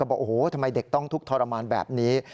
บอกโอ้โหทำไมเด็กต้องทุกข์ทรมานแบบนี้